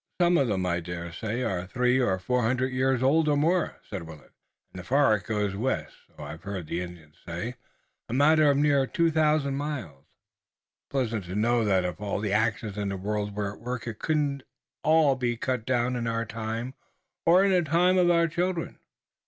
"Some of them, I dare say, are three or four hundred years old or more," said Willet, "and the forest goes west, so I've heard the Indians say, a matter of near two thousand miles. It's pleasant to know that if all the axes in the world were at work it couldn't all be cut down in our time or in the time of our children."